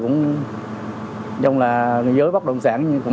người dưới bất động sản